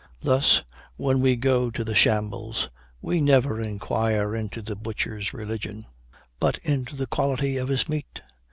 Thus, when we go to the shambles, we never inquire into the butcher's religion, but into the quality of his meat.